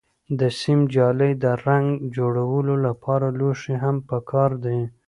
د سیم جالۍ، د رنګ جوړولو لپاره لوښي هم پکار دي.